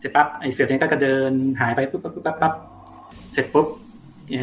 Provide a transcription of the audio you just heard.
เสร็จปั๊บไอเสือเนี้ยก็กระเดินหายไปปุ๊บปุ๊บปุ๊บปุ๊บเสร็จปุ๊บเนี้ย